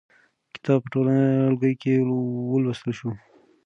کتاب په ټولګي کې ولوستل شو.